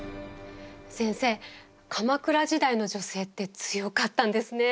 先生鎌倉時代の女性って強かったんですね。